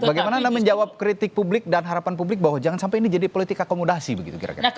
bagaimana anda menjawab kritik publik dan harapan publik bahwa jangan sampai ini jadi politik akomodasi begitu kira kira